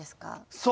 そう。